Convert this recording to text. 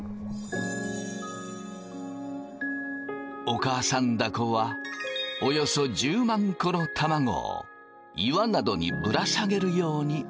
お母さんだこはおよそ１０万個の卵を岩などにぶら下げるように産む。